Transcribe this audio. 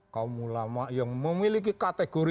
kaum ulama yang memiliki kategori